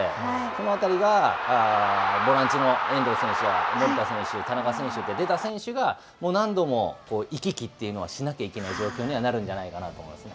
そのあたりがボランチの遠藤選手や守田選手、田中選手、出た選手が、もう何度も行き来っていうのはしなきゃいけない状況にはなるんじゃないかなと思います。